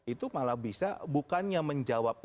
itu malah bisa bukannya menjawab